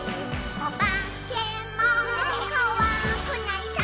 「おばけもこわくないさ」